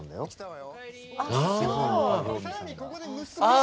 あ！